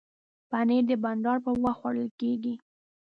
پنېر د بانډار پر وخت خوړل کېږي.